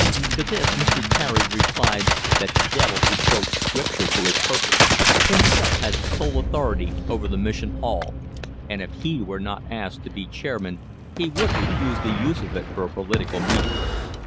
To this Mr. Carey replied that the devil could quote scripture to his purpose, himself had sole authority over the Mission Hall, and if he were not asked to be chairman he would refuse the use of it for a political meeting.